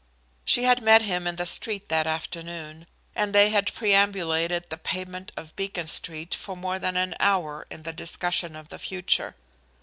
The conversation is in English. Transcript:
She had met him in the street that afternoon, and they had perambulated the pavement of Beacon Street for more than an hour in the discussion of the future.